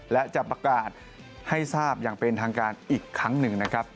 และจะประกาศให้ทราบอย่างเป็นทางการอีกครั้งหนึ่งนะครับ